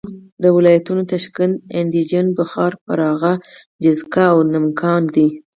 دا ولایتونه تاشکند، اندیجان، بخارا، فرغانه، جیزک او نمنګان دي.